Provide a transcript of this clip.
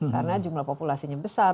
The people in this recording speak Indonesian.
karena jumlah populasinya besar